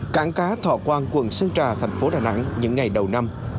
cảng cá thọ quang quận sơn trà thành phố đà nẵng những ngày đầu năm